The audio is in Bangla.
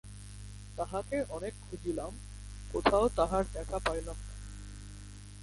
তাঁহাকে অনেক খুঁজিলাম, কোথাও তাঁহার দেখা পাইলাম না।